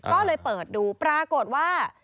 ก็เลยเปิดดูปรากฏว่า